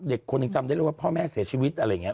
เด็กคนหนึ่งจำได้เลยว่าพ่อแม่เสียชีวิตอะไรอย่างนี้